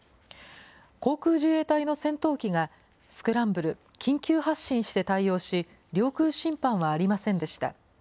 航空自衛隊の戦闘機が、スクランブル・緊急発進して対応し、領空侵犯はありませんでした。